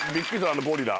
あのゴリラ。